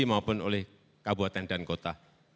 maupun oleh kabupaten dan kota